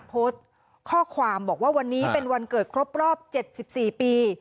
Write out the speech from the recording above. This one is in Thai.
โพสต์ข้อความบอกว่าวันนี้เป็นวันเกิดครบรอบ๗๔ปี